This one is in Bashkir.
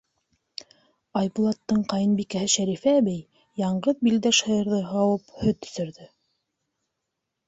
Айбулаттың ҡәйенбикәһе Шәрифә әбей яңғыҙ билдәш һыйырҙы һауып һөт эсерҙе.